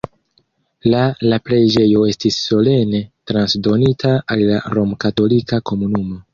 La la preĝejo estis solene transdonita al la romkatolika komunumo.